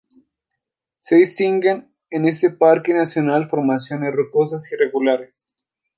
Se distinguen en este parque nacional formaciones rocosas irregulares.